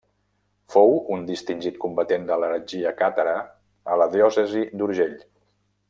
Fou un distingit combatent de l'heretgia càtara a la diòcesi d’Urgell.